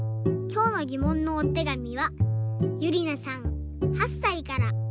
きょうのぎもんのおてがみはゆりなさん８さいから。